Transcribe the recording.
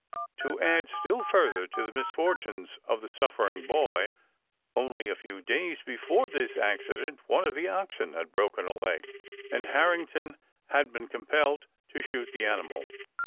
To add still further to the misfortunes of the suffering boy, only a few days before this accident one of the oxen had broken a leg and Harrington had been compelled to shoot the animal.